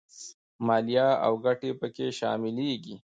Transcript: مالیه او ګټې په کې شاملېږي